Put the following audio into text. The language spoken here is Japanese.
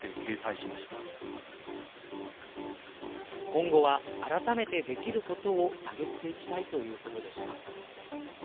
今後は、あらためてできることを探っていきたいということでした。